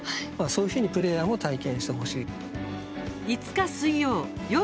そういうふうにプレーヤーも体験してほしい。